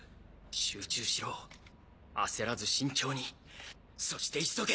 集中しろ焦らず慎重にそして急げ！